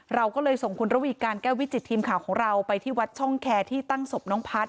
เราก็เลยส่งคุณระวีการแก้ววิจิตทีมข่าวของเราไปที่วัดช่องแคร์ที่ตั้งศพน้องพัฒน